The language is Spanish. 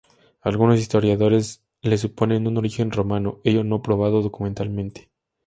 Algunos historiadores le suponen un origen romano, hecho no probado documentalmente.